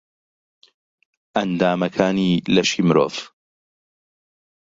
ئەندامەکانی لەشی مرۆڤ